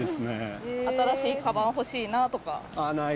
新しいかばん欲しいなとか。